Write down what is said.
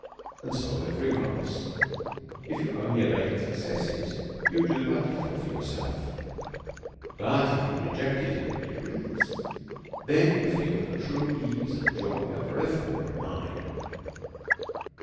And so of every vice ; if you only abate its exces ses, you do but little for yourself; but if you reject it in all degrees, then you feel the true ease and joy of a reformed mind.